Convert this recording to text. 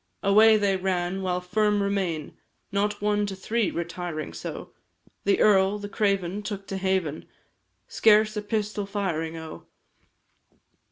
Away they ran, while firm remain, Not one to three, retiring so, The earl, the craven, took to haven, Scarce a pistol firing, O!